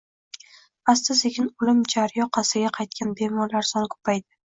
Asta-sekin o‘lim jari yoqasidan qaytgan bemorlar soni ko‘paydi